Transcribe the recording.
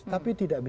tapi tidak bisa